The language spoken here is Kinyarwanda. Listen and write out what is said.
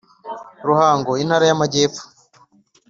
Ruhango Intara y Amajyepfo